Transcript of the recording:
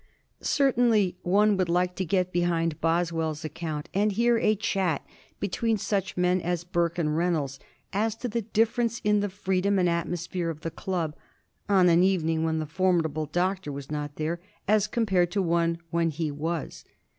Certainly one would like to get behind Boswell's account, and to hear a chat between such men as Burke and Reynolds, as to the difference in the freedom and atmosphere of the Club on an evening when the formidable Doctor was not there, as compared to one when he was.